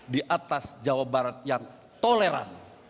di atas jawa barat yang toleran